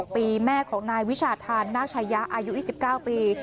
ปีแม่ของนายวิชาธานนาคชายะอายุ๒๙ปี